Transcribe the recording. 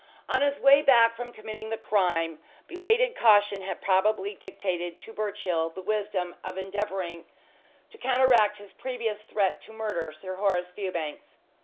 On his way back from committing the crime belated caution had probably dictated to Birchill the wisdom of endeavouring to counteract his previous threat to murder Sir Horace Fewbanks.